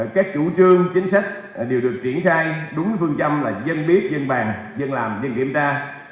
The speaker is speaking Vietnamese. các chủ trương chính sách đều được triển khai đúng phương châm là dân biết dân bàn dân làm dân kiểm tra